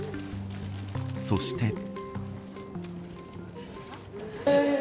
そして。